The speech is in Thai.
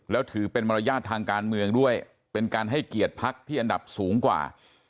แล้วถือเป็นมารยาททางการเมืองด้วยเป็นการให้เกียรติพักที่อันดับสูงกว่า